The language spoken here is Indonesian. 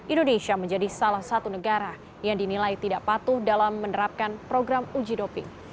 indonesia menjadi salah satu negara yang dinilai tidak patuh dalam menerapkan program uji doping